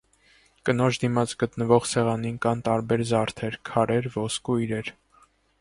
Կնոջ դիմաց գտնվող սեղանին կան տարբեր զարդեր՝ քարեր, ոսկու իրեր։